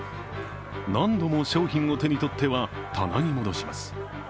何度も商品を手に取っては棚に戻します。